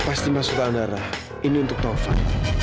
pasti mas suta andara ini untuk taufan